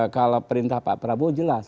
kalau perintah pak prabowo jelas